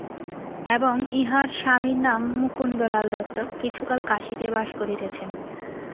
এবং ইঁহার স্বামীর নাম মুকুন্দলাল দত্ত–কিছুকাল কাশীতেই বাস করিতেছেন।